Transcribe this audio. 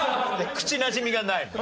口なじみがないもん